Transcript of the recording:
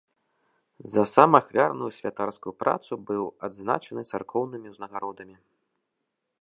За самаахвярную святарскую працу быў адзначаны царкоўнымі ўзнагародамі.